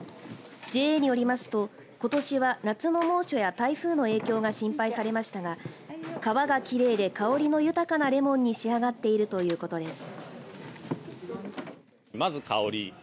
ＪＡによりますと、ことしは夏の猛暑や台風の影響が心配されましたが皮がきれいで香りの豊かなれもんに仕上がっているということです。